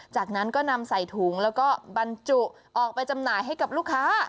จากนั้นก็นำใส่ถุงแล้วก็บรรจุออกไปจำหน่ายให้กับลูกค้า